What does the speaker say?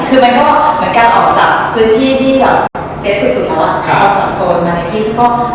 คือการออกจากพื้นที่ที่เซ็ตสุดเหมือนว่ามันมาขยันไป